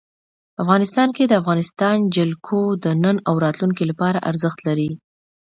افغانستان کې د افغانستان جلکو د نن او راتلونکي لپاره ارزښت لري.